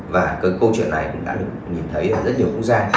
và cái câu chuyện này cũng đã được nhìn thấy ở rất nhiều quốc gia